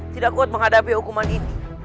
tidak kuat menghadapi hukuman ini